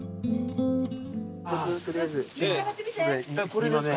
これですか。